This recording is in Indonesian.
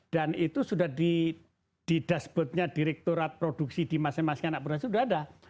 itu sudah di dashboardnya direkturat produksi di masing masing anak produksi sudah ada